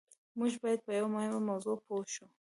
موږ بايد په يوه مهمه موضوع پوه شو.